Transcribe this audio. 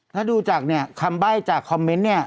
ถ้าดูจากคำใบจากคอมเมนต์